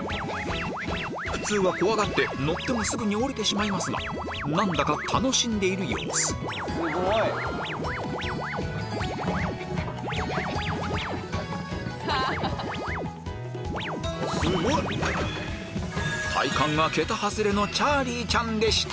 普通は怖がって乗ってもすぐに降りてしまいますが何だか楽しんでいる様子チャーリーちゃんでした